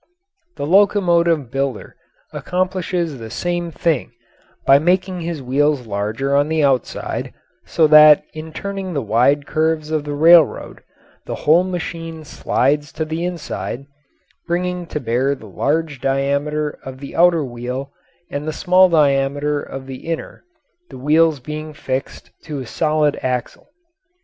The locomotive builder accomplishes the same thing by making his wheels larger on the outside, so that in turning the wide curves of the railroad the whole machine slides to the inside, bringing to bear the large diameter of the outer wheel and the small diameter of the inner, the wheels being fixed to a solid axle.